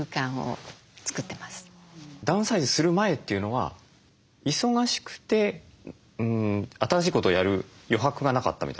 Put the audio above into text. ダウンサイズする前というのは忙しくて新しいことをやる余白がなかったみたいなそういうことですか？